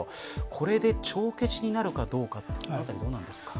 これで帳消しなるかどうですか。